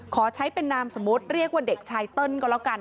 ขอใช้เป็นนามสมมุติเรียกว่าเด็กชายเติ้ลก็แล้วกัน